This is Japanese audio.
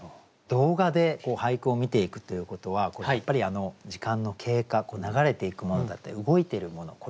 動画で俳句を見ていくということはやっぱり時間の経過流れていくものだったり動いているもの